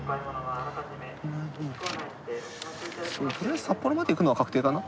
とりあえず札幌まで行くのは確定だな。